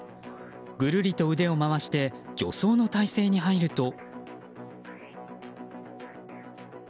ぐるりと腕を回して助走の体勢に入ると。